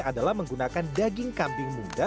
adalah menggunakan daging kambing muda